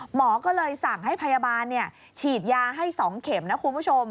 หมอก็เลยสั่งให้พยาบาลฉีดยาให้๒เข็มนะคุณผู้ชม